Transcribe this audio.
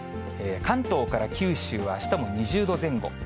関東から九州は、あしたも２０度前後。